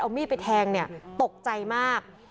เอามีดไปแทงเนี่ยตกใจมาก